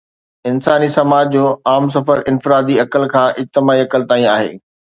انساني سماج جو عام سفر انفرادي عقل کان اجتماعي عقل تائين آهي.